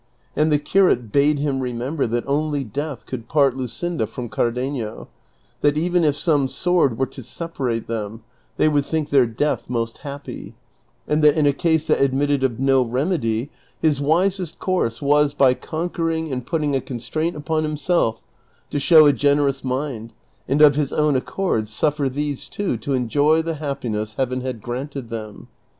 And the curate bade him remember that only death could part Luscinda from Cardenio ; that even if some sword were to separate them they would think their death most happy ; and that in a case that admitted of no remedy his wisest course was, by conquering and putting a constraint upon himself, to show a generous mind, and of his own accord suffer these two to enjoy the happiness Heaven had granted them.